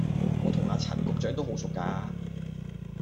我同阿陳局長都好熟架